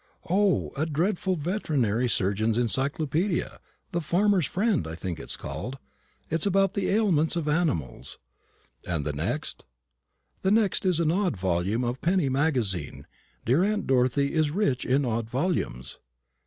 "O, a dreadful veterinary surgeon's encyclopaedia The Farmer's Friend I think it is called; all about the ailments of animals." "And the next?" "The next is an odd volume of the Penny Magazine. Dear aunt Dorothy is rich in odd volumes."